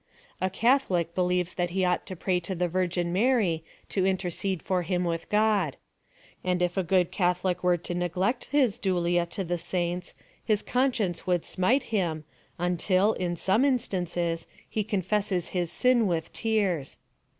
A Catholic be lieves that he ought to pray to the Virgin Mary to intercede for him with God ; and if a good Catho lic were to neglect his diilia to the saints his con i5cience would smite him, until, in some instances, he confesses his sin with tears.